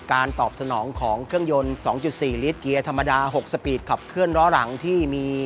ตอบสนองของเครื่องยนต์๒๔ลิตรเกียร์ธรรมดา๖สปีดขับเคลื่อนล้อหลังที่มี